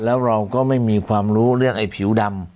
แล้วเราก็ไม่มีความรู้เรื่องไอ้ผิวดำ